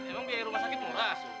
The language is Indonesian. emang biaya rumah sakit murah